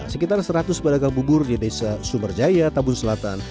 sekitar seratus pedagang bubur di desa sumberjaya tabun selatan